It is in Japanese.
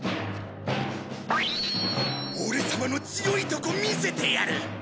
オレ様の強いとこ見せてやる！